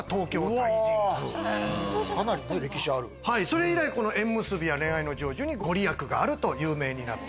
それ以来縁結びや恋愛の成就に御利益があると有名になった。